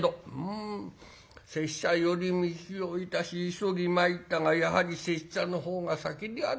「ん拙者寄り道をいたし急ぎ参ったがやはり拙者のほうが先であったな。